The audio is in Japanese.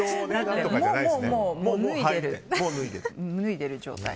もう脱いでる状態。